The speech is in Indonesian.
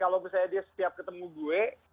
kalau misalnya dia setiap ketemu gue